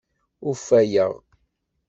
Ufayeɣ.